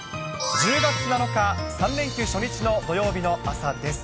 １０月７日、３連休初日の土曜日の朝です。